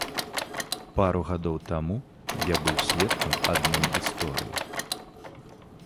Пару гадоў таму я быў сведкам адной гісторыі.